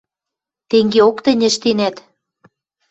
Тенгеок тӹнь ӹштенӓт.